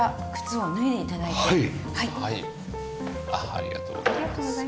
ありがとうございます。